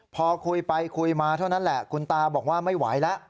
พอคุยไปคุยมาเท่านั้นแหละคุณตาบอกว่าไม่ไหวแล้ว